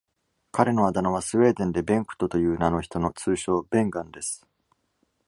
彼のあだ名は、スウェーデンでベンクトという名の人の通称「Bengan」です。